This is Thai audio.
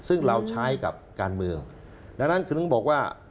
ซึ่งเราใช้กับการเมืองดังนั้นถึงบอกว่า